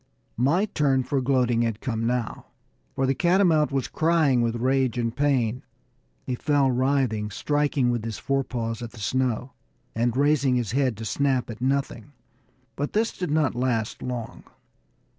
My turn for gloating had come now, for the catamount was crying with rage and pain. He fell writhing, striking with his forepaws at the snow, and raising his head to snap at nothing; but this did not last long.